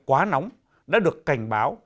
quá nóng đã được cảnh báo